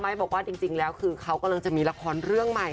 บอกว่าจริงแล้วคือเขากำลังจะมีละครเรื่องใหม่